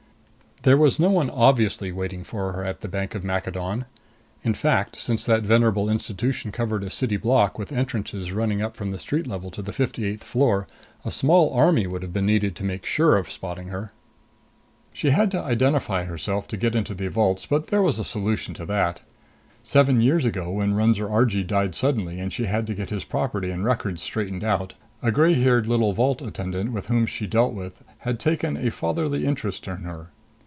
There was no one obviously waiting for her at the Bank of Maccadon. In fact, since that venerable institution covered a city block, with entrances running up from the street level to the fifty eighth floor, a small army would have been needed to make sure of spotting her. She had to identify herself to get into the vaults, but there was a solution to that. Seven years ago when Runser Argee died suddenly and she had to get his property and records straightened out, a gray haired little vault attendant with whom she dealt with had taken a fatherly interest in her.